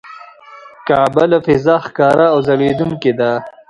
کعبه له فضا ښکاره او ځلېدونکې ده.